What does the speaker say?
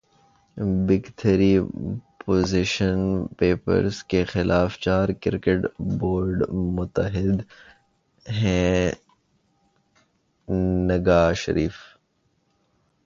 big three position paper کے خلاف چار کرکٹ بورڈز متحد ہیںذکا اشرف